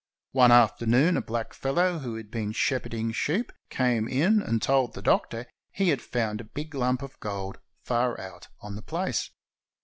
One afternoon a black fellow who had been shepherding sheep came in and told the Doctor that he had found a big lump of gold far out on the place.